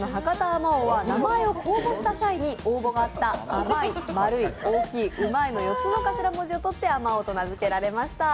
まおうは名前を公募した際に応募が会った、甘い、丸い、大きい、うまいの頭文字をとってあまおうと名づけられました。